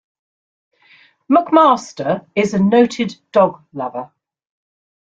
McMaster is a noted dog lover.